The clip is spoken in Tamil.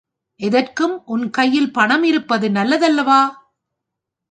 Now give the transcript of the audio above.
எதற்கும் உன் கையில் பணம் இருப்பது நல்ல தல்லவா?